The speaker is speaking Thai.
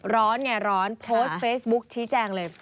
ร้อนไงร้อนโพสต์เฟซบุ๊กชี้แจงเลย